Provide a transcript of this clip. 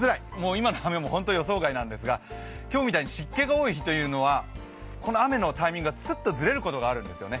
今の雨も本当に予想外なんですが今日みたいに湿気が多い日はこの雨のタイミングがすっとずれることが多いんですね。